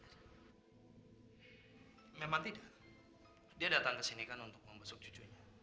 hai memang tidak dia datang kesini kan untuk membesuk cucunya